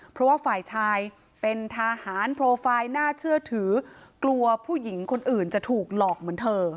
เพราะว่าฝ่ายชายเป็นทหารโปรไฟล์น่าเชื่อถือกลัวผู้หญิงคนอื่นจะถูกหลอกเหมือนเธอ